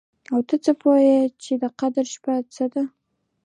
او ته څه پوه يې چې د قدر شپه څه ده؟